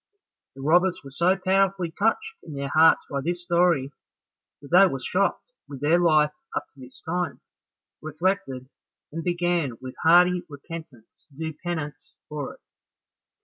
The robbers were so powerfully touched in their hearts by this story, that they were shocked with their life up to this time, reflected, and began with hearty repentance to do penance for it.